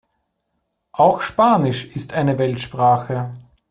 Auch Spanisch ist eine Weltsprache.